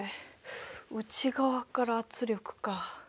内側から圧力か。